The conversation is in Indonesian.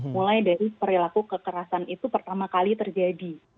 mulai dari perilaku kekerasan itu pertama kali terjadi